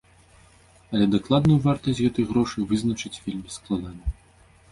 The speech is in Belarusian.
Але дакладную вартасць гэтых грошай вызначыць вельмі складана.